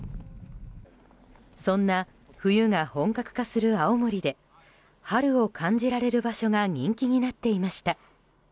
そんな、冬が本格化する青森で春を感じられる場所が人気になっていました。